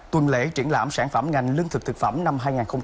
tuần lễ triển lãm sản phẩm ngành lương thực thực phẩm năm hai nghìn hai mươi